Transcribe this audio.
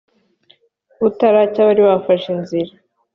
butaracya, bari bafashe inzira.